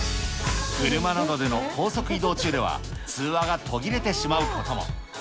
車などでの高速移動中では通話が途切れてしまうことも。